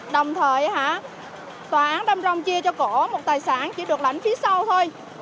đồng thời tòa án đâm rồng chia cho cô một tài sản chỉ được lãnh phía sau thôi